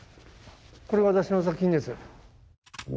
これ私の作品です。